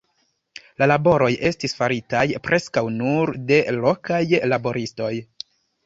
La laboroj estis faritaj preskaŭ nur de lokaj laboristoj.